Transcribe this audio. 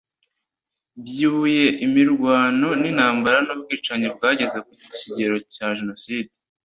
byubuye imirwano n’intambara n’ubwicanyi bwageze ku kigero cya jenoside